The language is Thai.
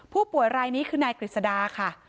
ผู้ป่วยรายนี้คือนายกฤษดาค่ะ